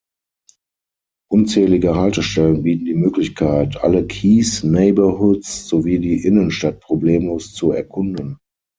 Unzählige Haltestellen bieten die Möglichkeit, alle Keys, Neighborhoods sowie die Innenstadt problemlos zu erkunden.